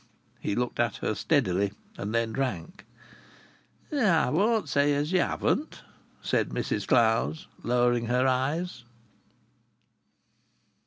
He looked at her steadily and then drank. "I won't say as ye haven't," said Mrs Clowes, lowering her eyes.